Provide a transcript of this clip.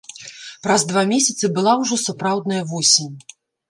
Праз два месяцы была ўжо сапраўдная восень.